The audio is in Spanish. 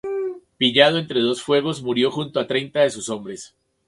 Pillado entre dos fuegos, murió junto a treinta de sus hombres.